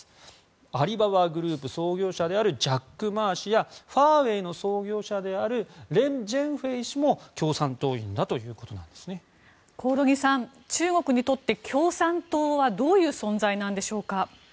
アリババグループ創業者であるジャック・マー氏やファーウェイの創業者であるレン・ジェンフェイ氏も興梠さん、中国にとって共産党はどういう存在なんでしょうか？